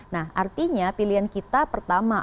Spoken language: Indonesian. nah artinya pilihan kita pertama